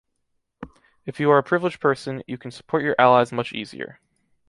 If you are a privileged person, you can support your allies much easier.